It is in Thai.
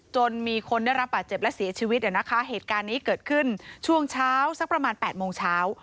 จนมีคนได้รับบาดเจ็บและเสียชีวิตนะคะเหตุการณ์นี้เกิดขึ้นช่วงเช้าสักประมาณ๘โมงเช้า